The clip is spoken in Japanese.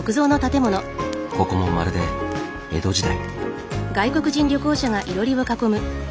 ここもまるで江戸時代。